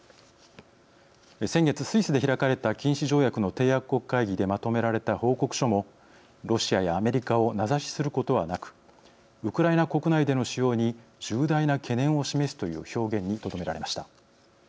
先月、スイスで開かれた禁止条約の締約国会議でまとめられた報告書もロシアやアメリカを名指しすることはなくウクライナ国内での使用に重大な懸念を示すという表現にとどめられました。